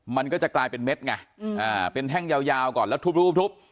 มันก็จะกลายเป็นเม็ดไงเป็นแท่งยาวก่อนแล้วทุบ